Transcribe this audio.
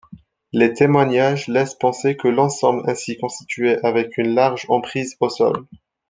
Les témoignages laissent penser que l’ensemble ainsi constitué avait une large emprise au sol.